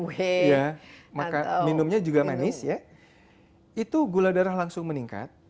misalnya makannya donat atau kue ya maka minumnya juga manis ya itu gula darah langsung meningkat